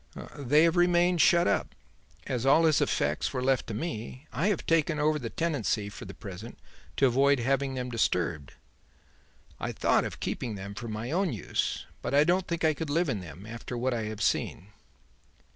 "They have remained shut up. As all his effects were left to me, I have taken over the tenancy for the present to avoid having them disturbed. I thought of keeping them for my own use, but I don't think I could live in them after what I have seen."